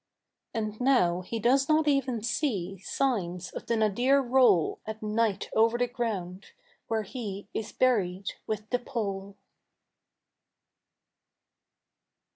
And now he does not even see Signs of the nadir roll At night over the ground where he Is buried with the pole.